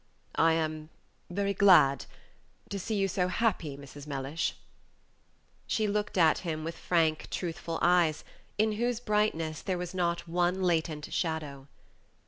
"I am very glad to see you so happy, Mrs. Mellish." She looked at him with frank, truthful eyes, in whose brightness there was not one latent shadow.